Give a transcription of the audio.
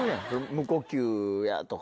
無呼吸やとか。